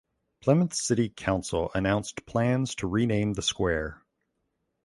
Plymouth City Council announced plans to rename the square.